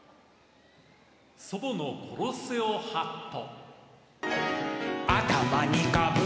「祖母のコロッセオハット」。